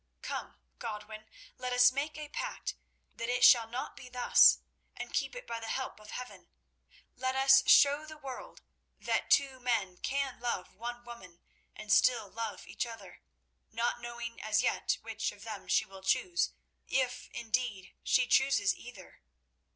"Come, Godwin, let us make a pact that it shall not be thus, and keep it by the help of heaven. Let us show the world that two men can love one woman and still love each other, not knowing as yet which of them she will choose—if, indeed, she chooses either.